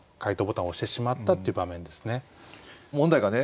問題がね